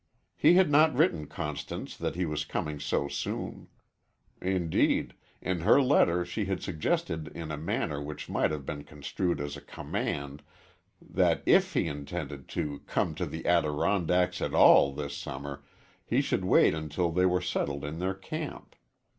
He had not written Constance that he was coming so soon. Indeed, in her letter she had suggested in a manner which might have been construed as a command that if he intended to come to the Adirondacks at all this summer he should wait until they were settled in their camp.